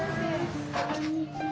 こんにちは。